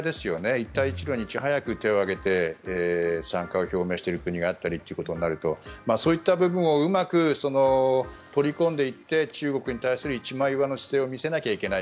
一帯一路にいち早く手を挙げて参加を表明している国があったりということになるとそういった部分をうまく取り込んでいって中国に対する一枚岩の姿勢を見せなければいけない。